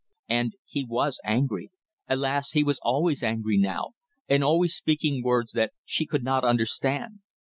And he was angry. Alas! he was always angry now, and always speaking words that she could not understand.